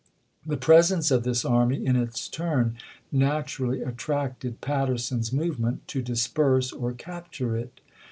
The presence of this army, in its turn, naturally attracted Patterson's movement to disperse or capture it.